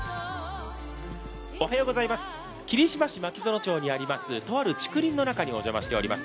霧島市牧園町にありますとある竹林の中にお邪魔しています。